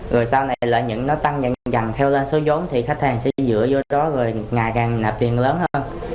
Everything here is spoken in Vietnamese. rồi sau này là nó tăng dần dần theo lên số giống thì khách hàng sẽ dựa vô đó rồi ngày càng nạp tiền lớn hơn